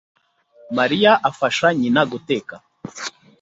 Mariya afasha nyina guteka